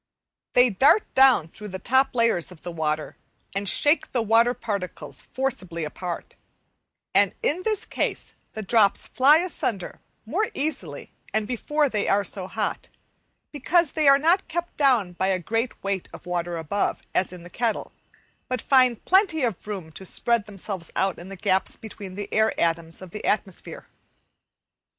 They dart down through the top layers of the water, and shake the water particles forcibly apart; and in this case the drops fly asunder more easily and before they are so hot, because they are not kept down by a great weight of water above, as in the kettle, but find plenty of room to spread themselves out in the gaps between the air atoms of the atmosphere.